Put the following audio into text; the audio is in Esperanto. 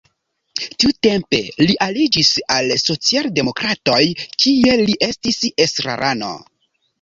Tiutempe li aliĝis al la socialdemokratoj, kie li estis estrarano.